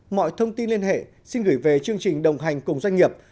mọi thông tin liên hệ xin gửi về chương trình đồng hành cùng doanh nghiệp